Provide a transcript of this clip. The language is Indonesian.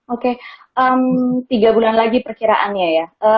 oke tiga bulan lagi perkiraannya ya